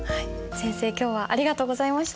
先生今日はありがとうございました。